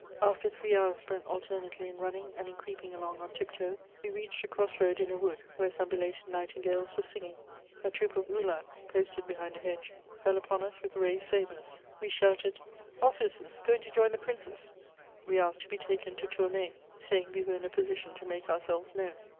After three hours spent alternately in running and in creeping along on tiptoe, we reached a cross road in a wood where some belated nightingales were singing. A troop of uhlans, posted behind a hedge, fell upon us with raised sabres. We shouted: "Officers going to join the Princes!" We asked to be taken to Tournay, saying we were in a position to make ourselves known.